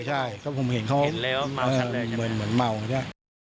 หมารก็เดินขึ้นไป